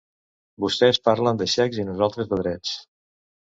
Vostès parlen de xecs i nosaltres de drets.